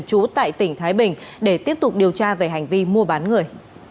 trú tại tỉnh thái bình để tiếp tục điều tra về hành vi mua bán người